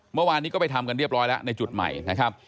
เมื่อวานนี้ก็ไปทำกันเรียบร้อยแล้วในจุดใหม่นะครับ